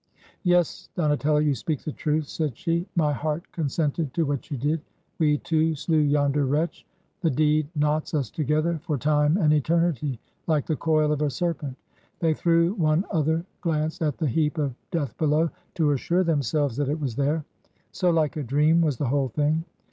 'Yes, Donatello, you speak the truth I' said she; 'my heart consented to what you did. We two slew yonder wretch. The deed knots us together for time and eter nity, like the coil of a serpent!' They .threw one other glance at the heap of death below, to assure themselves that it was there ; so like a dream was the whole thing.